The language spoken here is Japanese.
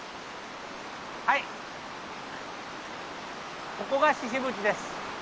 はいここがシシ渕です。